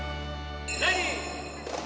レディー！